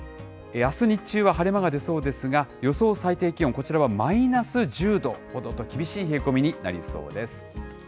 あす日中は晴れ間が出そうですが、予想最低気温、こちらはマイナス１０度ほどと厳しい冷え込みになりそうです。